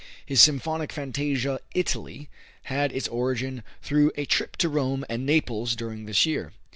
His symphonic fantasia, "Italy," had its origin through a trip to Rome and Naples during this year.